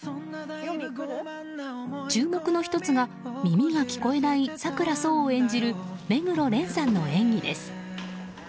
注目の１つが耳が聞こえない佐倉想を演じる目黒蓮さんの演技です。